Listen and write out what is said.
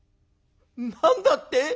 「何だって！？